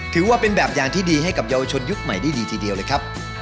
ถือว่าเป็นแบบอย่างที่ดีให้กับเยาวชนยุคใหม่ได้ดีทีเดียวเลยครับ